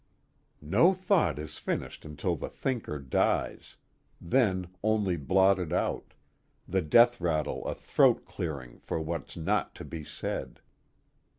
_No thought is finished until the thinker dies, then only blotted out, the death rattle a throat clearing for what's not to be said.